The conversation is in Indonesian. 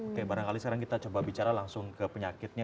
oke barangkali sekarang kita coba bicara langsung ke penyakitnya